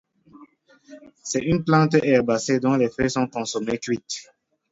C'est une plante herbacée dont les feuilles sont consommées cuites.